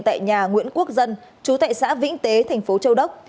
tại nhà nguyễn quốc dân chú tại xã vĩnh tế tp châu đốc